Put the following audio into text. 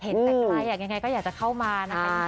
แต่ใครอยากยังไงก็อยากจะเข้ามานะคะ